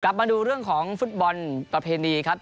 มาดูเรื่องของฟุตบอลประเพณีครับ